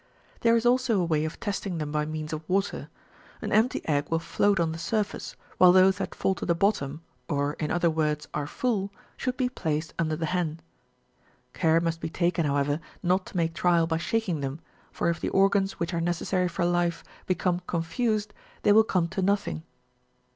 There is also a way of testing them by means of water ; an empty egg A\'ill float on the surface, while those that fall to the bottom, or, in other words, are full, should be placed under the hen. Care must be taken, however, not to make trial by shaking them, for if the organs which are necessary for life become confused, they will come to nothing.